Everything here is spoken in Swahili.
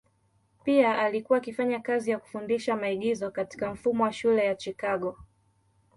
Pia alikuwa akifanya kazi ya kufundisha maigizo katika mfumo wa shule ya Chicago.